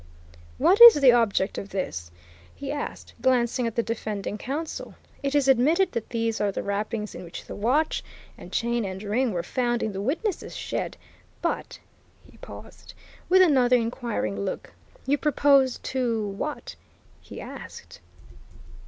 "What is the object of this?" he asked, glancing at the defending counsel. "It is admitted that these are the wrappings in which the watch, and chain and ring were found in the witness's shed, but" he paused, with another inquiring look "you propose to what?" he asked.